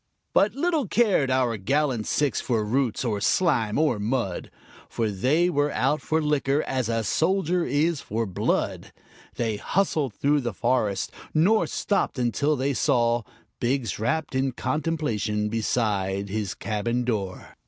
But little cared our gallant six for roots, or slime, or mud, For they were out for liquor as a soldier is for blood; They hustled through the forest, nor stopped until they saw Biggs, wrapt in contemplation, beside his cabin door.